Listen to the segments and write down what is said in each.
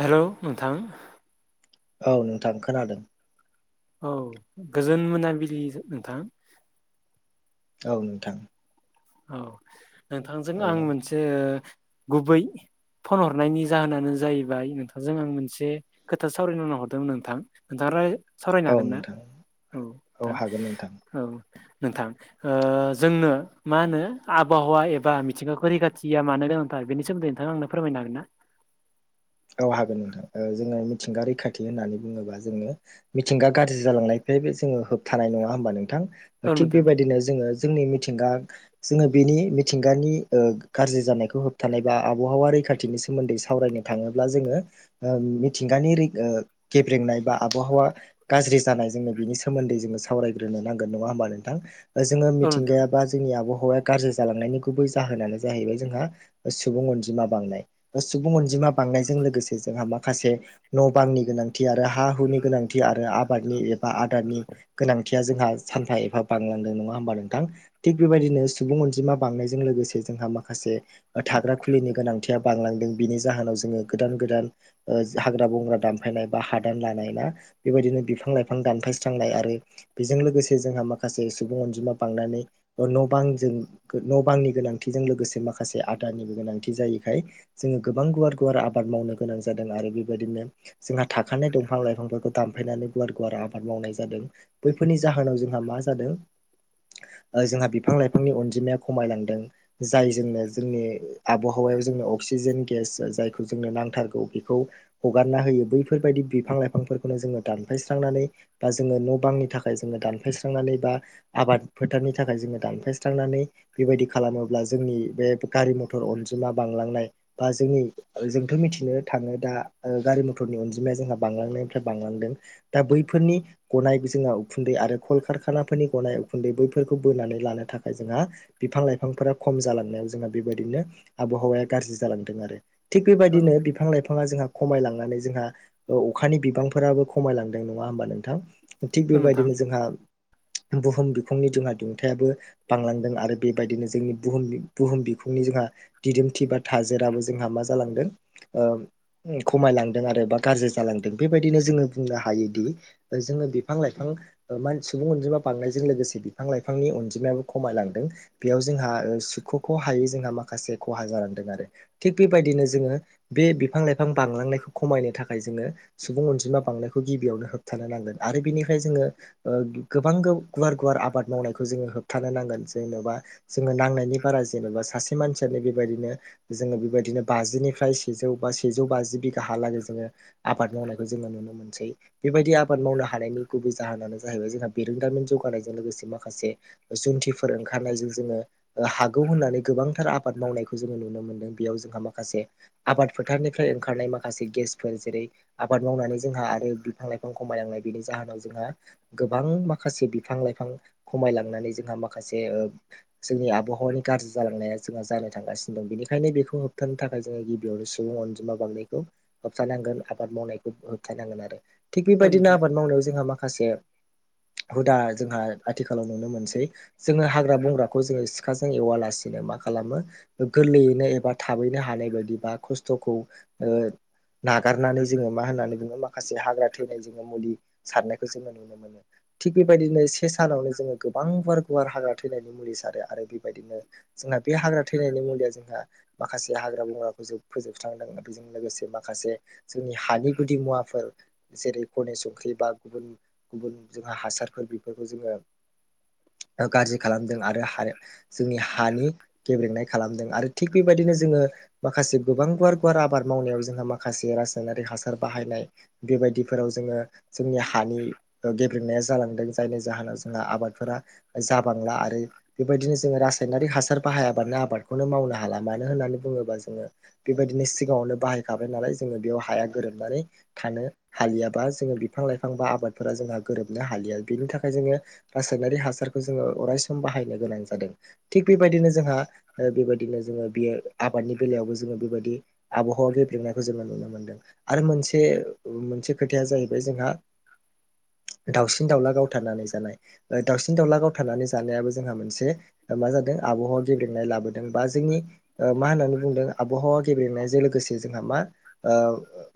Hello नोंथां औ नोंथां खोनादों औ गोजोन मोनाबिलि नोंथां औ नोंथां औ नोंथांजों ओ आं मोनसे गुबै फन हरनायनि जाहोनानो जाहैबाय नोंथांजों आं मोनसे खोथा सावरायनोल' हरदोंमोन नोंथां नोंथाङा राय सावरायनो औ हागोन ना नोंथां औ नोंथां हागोन नोंथां औ नोंथां ओ जोंनो मा होनो आबहावा एबा मिथिंगाखौ रैखाथिया मानो गोनांथार बेनि सोमोन्दै नोंथाङा आंनो फोरमायनो हागोन ना औ हागोन नोंथां ओ जोङो मिथिंगा रैखाथि होननानै बुङोबा जोङो मिथिंगा गाज्रि जालांनाय बे बे जोङो होबथानाय नङा होमबा नोंथां औ थिग नोंथां बेबायदिनो जोङो जोंनि मिथिंगा जोङो बेनि मिथिंगानि ओ गाज्रि जानायखौ होबथानाय बा आबहावारि रैखाथिनि सोमोन्दै सावरायनाय थाङोब्ला जोङो ओ मिथिंगानि रै ओ गेब्रेंनाय बा आबहावा गाज्रि जानाय जोङो बिनि सोमोन्दै जोङो सावरायग्रोनो नांगोन नङा होमबा नोंथां ओ जोङो औ नोंथां मिथिंगायाबा जोंनि आब हावाया गाज्रि जालांनायनि गुबै जाहोनानो जाहैबाय जोंहा सुबुं अनजिमा बांनाय बा सुबुं अनजिमा बांनायजों लोगोसे जोंहा माखासे न' बांनि गोनांथि आरो हा हुनि गोनांथि आरो आबादनि ए बा आदारनि गोनांथिया जोंहा सानफा एबा बांलांदों नङा हबा नोंथां थिग बेबायदिनो सुबुं अनजिमा बांनायजों लोगोसे जोंहा माखासे थाग्रा खुलिनि गोनांथिआ बांलांदों बिनि जाहोनाव जो जोङो गोदान गोदान ओ हाग्रा बंग्रा दानफायनाय बा हादान लानाय ना बेबायदिनो बिफां लाइफां दानफायस्रांनाय आरो बेजों लोगोसे जोंहा माखासे सुबुं अनजिमा बांनानै न' बां जों न' बांनि गोनांथिजों लोगोसे माखासे आदारनिबो गोनांथि जायैखाय जोङो गोबां गुवार गुवार आबाद मावनो गोनां जादों आरो बेबायदिनो जोंहा थाखानाय दंफां लाइफांफोरखौ दामफायनानै गुवार गुवार आबाद मावनाय जादों बैफोरनि जाहोनाव जोंहा मा जादों ओ जोंहा बिफां लाइफांनि अनजिमाया खमायलांदों जायजोंनो जोंनि आबहा हावायाव जोंनो अक्सिजेन गेस जा-जाय खौ जोंनो नांथारगौ बेखौ हगारना होयो बैफोरबायदि बिफां लाइफांफोरखौनो जोङो दानफायस्रांनानै बा जोङो न' बांनि थाखाय जोङो दानफायस्रांनानै बा आबाद फोथारनि थाखाय जोङो दानफायस्रांनानै बेबायदि खालामोब्ला जोंनि बे गारि मथर अनजिमा बांलांनाय बा जोंनि ओ जोंथ' मिथिनो थाङो दा ओ गारि मथरनि अनजिमाया जोंहा बांलांनायनिफ्राय बांलांदों दा बै फोरनि गनाय बिजोंआव उखुन्दै आरो कलकारखानाफोरनि गनाय उखुन्दै बैफोरखौ बोनानै लानो थाखाय जों हा बिफां लाइफांफोरा खम जालांनायाव जोंहा बेबायदिनो आबहावाया गाज्रि जालांदों आरो थिग बेबायदिनो बिफां लाइफाङा जोंहा खमायलांनानै जोंहा अखानि बिबांफोराबो खमायलांदों नङा होमबा नोंथां थिग बेबायदिनो जोंहा [inaudible] बुहुम बिखुंनि जोंहा दुंथायाबो बांलांदों आरो बेबायदिनो जोंनि बुहुम बुहुम बिखुंनि जोंहा दिदोमथि बा थाजेराबो जोंहा मा जालांदों ओ खमायलांदों आरो बा गाज्रि जालांदों बेबायदिनो जोङो बुंनो हायोदि जोङो बिफां लाइफां मान सुबुं अनजिमा बांनायजों लोगोसे बिफां लाइफांनि अनजिमायाबो खमायलांदों बेयाव जोंहा ओ सुख'खौ हायै जोंहा माखासे खहा जालांदों आरो थिग बे बायदिनो जोङो बे बिफां लाइफां बांलांनायखौ खमायनो थाखाय जोङो सुबुं अनजिमा बांनायखौ गिबियाव होबथानो नांगोन आरो बेनिफ्राय जोङो ओ गोबां गुवार गुवार आबाद मावनायखौ जोङो होबथानो नांगोन जेन'बा जोङो नांनायनि बारा जेनेबा सासे मानसियानो बेबायदिनो जोङो बेबायदिनो बाजिनिफ्राय सेजौ बा सेजौ बाजि बिघा हालागै जोङो आबाद मावनायखौ जोङो नुनो मोनसै। बेबायदि आबाद मावनो हानायनि गुबै जाहोनानो जाहैबाय जोंहा बेरोंदामिन जौगानायजों लोगोसे माखासे जुनथि फोर ओंखारनायजों जोङो ओ हागौ होन्नानै गोबांथार आबाद मावनायखौ जोङो नुनो मोनदों बेयाव जोंहा मा माखासे आबाद फोथारनिफ्राय ओंखारनाय माखासे गेसफोर जेरै आबाद मावनानै जोंहा आरो बिफां लाइ लाइफां खमाय लांनाय बेनि जाहोनाव जोंहा गोबां माखासे बिफां लाइफां खमायलांनानै जोंहा माखा माखासे ओ जोंनि आबहावानि गाज्रि जालांनाया जोंहा जानो थांगासिनो दं बेनिखायनो बेखौ होबथानो थाखाय जोङो गिबियावनो सुबुं अनजिमा बांनायखौ होबथानांगोन आबाद मावनायखौ होबथानांगोन आरो। थिग औ बेबायदिनो नोंथां, आबाद मावनायाव जोंहा माखासे [inaudible] हुदा जोंहा आथिखालाव नुनो मोनसै जोङो हाग्रा बंग्राखौ जोङो सिखाजों एवालासिनो माखा मखालामो गोरलैयैनो एबा थाबैनो हानाय बायदि बा खस्थ'खौ ओ नागारनानै जोङो मा होननानै बुङो माखासे हाग्रा थैनाय जोङो मुलि सारनायखौ जोङो नुनो मोनो। थिग बेबायदिनो से सानावनो जोङो गोबां गुवार गुवार हाग्रा थैनायनि मुलि सारो आरो बेबायदिनो जोंना बे हाग्रा थैनायनि मुलिया जोंहा माखासे हाग्रा बंग्राखौ जों फोजोबस्रांदों आरो बेजों लोगोसे माखासे जोंनि हानि गुदि मुवाफोर जेरै गनेश संख्रि बा गुबुन गुबुन जोंहा हासारफोर बेफोरखौ जोङो [inaudible] ओ गाज्रि खालामदों आरो जोंनि हानि गेब्रेंनाय खालामदों आरो थिग थिग बेबायदिनो जोङो माखासे गोबां गुवार गुवार आबाद मावनायाव जोंहा माखासे रासायनारि हासार बाहायनाय बेबायदिफोराव जोङो जोंनि हानि गेब्रेंनाया जालांदों जायनि जाहोनाव जोंहा आबाद फोरा जाबांला आरो बेबायदिनो जोङो रासायनारिक हासार बाहायाबानो आबादखौनो मावनो हाला मानो होननानै बुङोबा जोङो बेबायदिनो सिगाङावनो बाहायखाबाय नालाय जोङो बेयाव हाया गोरोबनानै थानो हालिया बा जोङो बिफां लाइफां बा आबादफोरा जोंहा गोरोबनो हालिया बेनि थाखाय जोङो रासायनारिक हासार खौ जोङो अराय सम बायहायनो गोनां जादों थिग बेबायदिनो जोंहा ओ बेबायदिनो जोङो बेयो आबादनि बेलायावबो जोङो बेबायदि आबहावा गेब्रेंनायखौ जोङो नुनो मोनदों। आरो मोनसे मोनसे खोथाया जाहैबाय जोंहा [inaudible] दावसिन दाउला गावथारनानै जानाय ओ दावसिन दाउला गावथारनानै जानायाबो जोंहा मोनसे मा जादों आबहावा गेब्रेंनाय लाबोदों बा जोंनि मा होननानै बुंदों आबहावा गेब्रेनायजों लोगोसे जोंहा मा ओ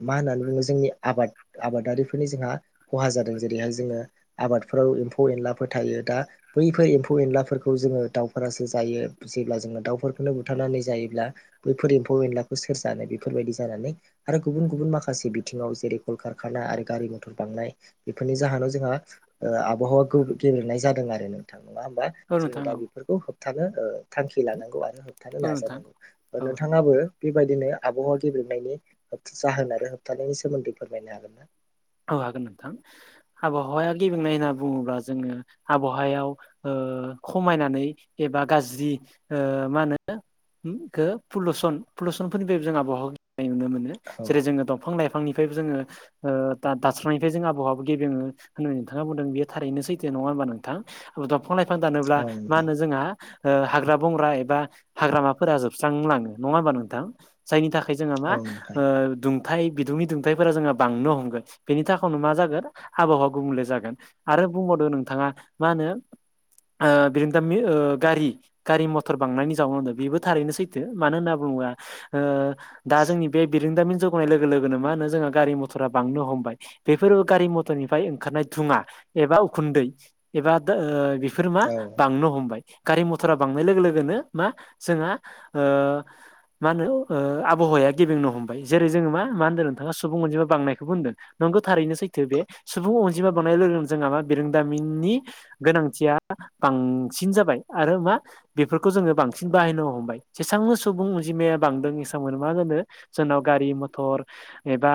मा होननानै बुङो जोंनि आबाद आबादारिफोरनि जोंहा खहा जादों जेरैहाय जोङो आबादफोराव एम्फौ एनलाफोर थायो दा बैफोर एम्फौ एनलाफोरखौ जोङो दाउफोरासो जायो जेब्ला जोङो दाउफोरखौनो बुथारनानै जायोब्ला बैफोर एम्फौ एनलाखौ सोर जानो बेफोरबायदि जानानै आरो गुबुन गुबुन माखासे बिथिङाव जेरै कल खारकाना आरो गारि मथर बांनाय बेफोरनि जाहोनाव जोंहा ओ आबहावाखौ गे नाय जादों आरो नोंथां नङा होमबा? औ नोंथां औ जोंङो नोंथां दा औ नोंथां औ बेफोरखौ होबथानो थांखि ओ लानांगौ आरो। होबथानो औ नोंथां नाजानांगौ औ नोंथाङाबो बेबायदिनो आबहावा गेब्रेंनायनि जाहोन आरो होबथानायनि सोमोन्दै फोरमायनो हागोन ना? औ हागोन नोंथां आबहावाया गेब्रेंनाय होनना बुङोब्ला जोङो आबहावायाव ओ ओ खमायनानै एबा गाज्रि ओ मा होनो ओम खो पुलुसन पलुसनफोरनिफ्रायबो जोंहा बहद [unintelligible] नुनो मोनो जेरै जोङो दंफां लाइफांनिफायबो जोङो ओ दा दास्रांनायनिफ्राय जों आबहावाबो गेब्रेङो होनना नोंथाङा बुंदों बेयो थारैनो सैथो नङा होमबा नोंथां? [unintelligible] फां लाइफां दानोब्ला औ मा नोंथां होनो जोंहा ओ हाग्रा बंग्रा एबा हाग्रामाफोरा जोबस्रांलाङो नङा हबा नोंथां? जायनि थाखा य जोंहा मा औ नोंथां ओ दुंथाइ बिदुंनि दुंथाइफोरा जोंहा बांनो हमगोन। बेनि थाखावनो मा जागोन आबहावा गुबुंले जागोन आरो बुंबावदों नोंथाङा मा होनो ओ बिरोंदामि ओ गारि गारि मथर बांनायनि जाउनावनो बेबो थारैनो सैथो मानो होनना बु [unintelligible] ओ दा जोंनि बे बिरोंदामिन जौगानाय लोगो लोगोनो मा होनो जोंहा गारि मथरा बांनो हमबाय। बेफोरो गारि मथरनिफ्राय ओंखारनाय धुङा एबा उखुन्दै एबा [unintelligible] फोर मा औ बांनो हमबाय। गारि मथरा बांनाय लोगो लोगोनो मा जोंहा ओ मा होनो ओ आबहावा या गेबेंनो हमबाय जेरै जोङो मा होनदो नोंथाङा सुबुं अनजिमा बांनायखोबो होनदों। नंगौ थारैनो सैथो बे सुबुं अनजिमा बांनाय लोगो लोगो जोंहा मा बिरोंदामिननि गोनांथिया बांसिन जाबाय आरो मा बेफोरखौ जोङो बांसिन बाहायनो हमबाय जेसांनो सुबुं अनजि माया बांदों [unintelligible] जोनाव गारि मथर एबा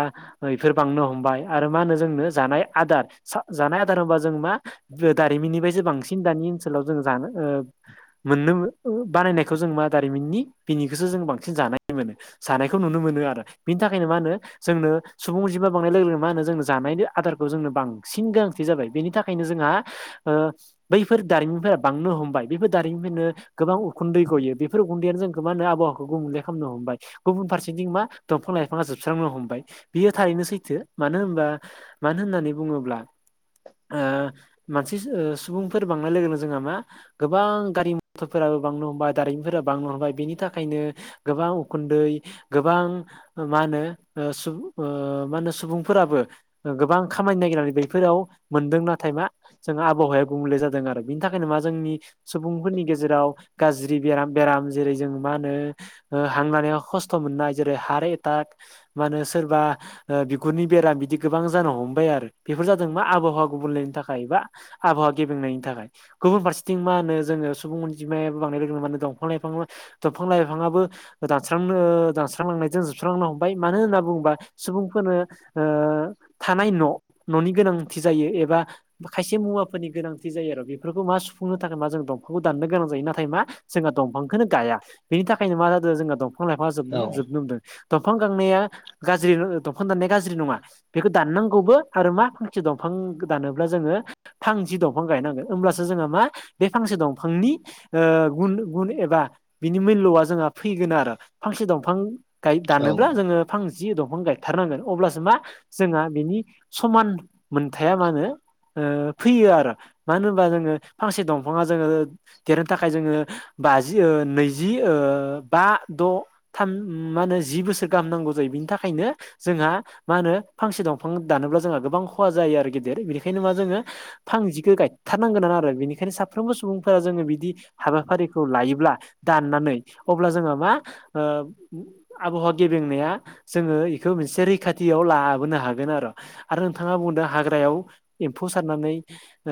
इफोर बांनो हमबाय। आरो मा होनो जोंनो जानाय आदार जानाय आदार होनबा जों मा दारिमिननिफायसो बांसिन दा नि ओनसोलाव जों जानो ओ मोननो बानायनायखौ जों मा दारिमिननि बिनिखोसो जों बांसिन जानाय मोनो जानायखौ नुनो मोनो आरो बिनि थाखायनो मा होनो जोंनो सुबुंजिमा बांनाय लोगो लोगो मा होनो जों जानायनि आदारखौ जोंनो बांसिन गोनांथि जाबाय बेनि थाखायनो जोंहा ओ बैफोर दारिमिफोरा बांनो हमबाय बेफोर [unintelligible] गोबां उखुन्दै गयो बेफोर उखुन्दैआनो जोंखो मा होनो आबहावाखो गु बुंले खालामनो हमबाय गुबुन फारसेथिं मा दंफां लाइफाङा जोबस्रांनो हमबाय बियो थारैनो सैथो। मानो होनबा मानो होननानै बुङोब्ला ओ मानसि ओ सुबुंफोर बांनाय लोगोनो जोंहा मा गोबां गारि मथरफोरा बो बांनो हमबाय दारिमिन फोरा बांनो हमबाय बिनि थाखायनो गोबां उखुन्दै गोबां मा होनो ओ सु ओ होनो सुबुं फोराबो ओ गोबां खामानि नागिरनानै बैफोराव मोनदों नाथाय मा जोंहा आबहावाया गुबुंले जादों। आरो बिनि थाखायनो मा जोंनि सुबुंफोरनि गेजेराव गाज्रि बेराम-बेराम जेरै जों मा होनो ओ हांलानायाव खस्थ' मोननाय जेरै हार्ट एटाक मा होनो सोरबा ओ बि गुरनि बेराम बिदि गोबां जानो हमबाय आरो बेफोर जादों मा आबहावा गुबुनलेनि थाखायबा आबावा गेबें नायनि थाखाय गुबुनरसेथिं मा होनो जोङो सुबुं अनजिमायाबो बांनाय लोगोनो होमबानो दंफां लाइफां [unintelligible] [unintelligible] जोबस्रांनो हमबाय मानो होन्ना बुङोबा सुबुंफोरनो ओ थानाय न' न'नि गोनांथि जायो एबा खायसे मुवाफोरनि गोनांथि जायो आरो बेफोरखौ मा सुफुंनो थाखाय मा जों दंफांखौ दाननो गोनां जायो नाथाय मा जों दंफांखौनो गाया बेनि थाखायनो मा जादो जो दं फां लाइफांआ औ [unintelligible] दंफां गांनाया गाज्रि दंफां दाननाय गाज्रि नङा बेखो दाननांगौबो आरो मा फांसे दंफां दानोब्ला जोङो फांजि दंफां गायनांगोन ओमब्लासो जोङो मा बे फांसे दंफांनि ओ गुन-गुन एबा बिनि मुल्य खौआ जोंहा फैगोन आरो फांसे दंफां गाय औ दानोब्ला जोङो फांजि दंफां गायथारनांगोन। अब्लासो मा जोंहा बिनि समान मोनथाया मा होनो ओ फैयो आरो मानो होनोबा जोङो फांसे दंफाङा जोङो देरनो थाखाय जोङो बाजि ओ नैजि ओ बा द' थाम मा होनो जि बोसोर गाहाम नांगौ जायो बिनि थाखायनो जोंहा मा होनो फांसे दंफां दानोब्ला जोंहा गोबां खहा जायो आरो गेदेर बेनिखायनो मा जोङो फांजिखौ गाय थारनांगोन [unintelligible] बिनिखायनो साफ्रोमबो सुबुंफोरा जोङो बिदि हाबाफारिखौ लायोब्ला दाननानै अब्ला जोंहा मा ओ आबहावा गेबेंनाया जोङो एखो मोनसे रै खाथियाव लाबोनो हागोन आरो आरो नोंथाङा बुंदों हाग्रायाव एम्फौ सारनानै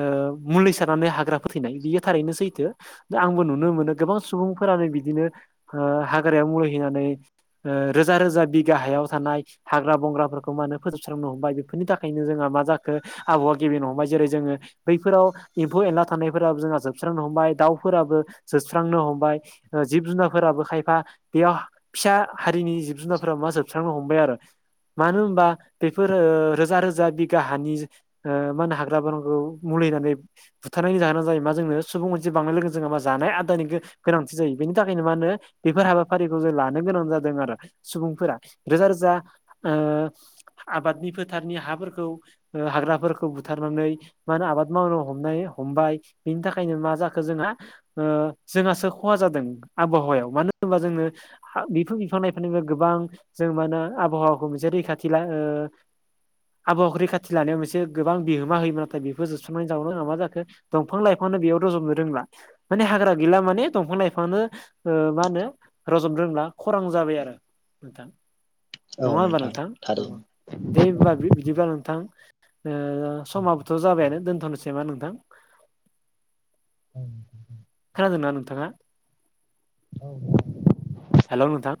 ओ ओ मुलि सारनानै हाग्रा फोथैनाय बियो थारैनो सैथो आंबो नुनो मोनो गोबां सुबुंफोरानो बिदि बिदिनो ओ हाग्रायाव मुलि हैनानै ओ रोजा रोजा बिगा हायाव थानाय हाग्रा बंग्राफोरखौ मानो फोजोबस्रांनो हमबाय बेफोरनि थाखायनो जोंहा मा जाखो आबहावा गेब्रेंनो हमबाय जेरै जोङो बैफोराव एम्फौ एनला थानायफोराबो जोंहा जोबस्रांनो हमबाय दाउफोराबो जोबस्रांनो हमबाय। ओ जिब जुनारफोराबो खायफा बेयाव फिसा हारिनि जिब जुनारफोरा मा जोबस्रांनो हमबाय आरो। मानो होनबा बेफोर ओ रोजा रोजा बिगा हानि ओ मा होनो हाग्राफोरखौ मुलि होननानै बुथारनायनि जाहोना जायो मा जोंनो सुबुं अनजिमा बांनाय लोगो जोंनो मा जानाय आदारनि गोनांथि जायो बे बेनि थाखायनो मा होनो बेफोर हाबाफारिखौ जों लानो गोनां जादों आरो सुबुंफोरा रोजा रोजा ओ आबादनि फोथारनि हाफोरखौ ओ हाग्राफोरखौ बुथारनानै मा होनो आबाद मावनो हमनाय हमबाय बिनि थाखायनो मा जाखो जोंहा ओ जोंहासो खहा जादों आबहावायाव मानो होनबा जोंनो बेफोर बिफां बिफां लाइफांनिफ्राय गोबां जों मा होनो आबहावा खौ मोनसे रैखाथि ला ओ आबहावाखौ रैखाथि लानायाव मोनसे गोबां बिहोमा होयोमोन। नाथाय बेफोर जोबस्रांनानै जाउनाव जोंहा मा जाखो दंफां लाइफां बेयाव रजोनो रोंला माने हाग्रा गैला माने दंफां लाइफांनो ओ मा होनो रजनो रोंला खरां जाबाय आरो नोंथां। औ नङा होमबा नोंथां? औ थारैनो दे होनबा बिदिबा नोंथां। ओ औ समाबोथ' जाबायानो दोनथ'नोसै नामा नोंथां? औ खोनादोंना नोंथाङा? औ हेल' नोंथां।